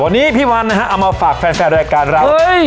วันนี้พี่วันนะฮะเอามาฝากแฟนรายการเรา